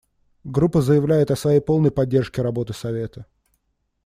Группа заявляет о своей полной поддержке работы Совета.